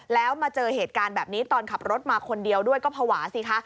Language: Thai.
แล้วมาเจอเหตุการณ์แบบนี้ตอนขับรถมาคนเดียวด้วยก็ภาวะสิคะ